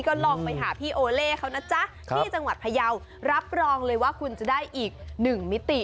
ก็ลองไปหาพี่โอเล่เขานะจ๊ะที่จังหวัดพยาวรับรองเลยว่าคุณจะได้อีกหนึ่งมิติ